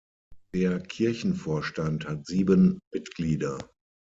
Der Kirchenvorstand hat sieben Mitglieder.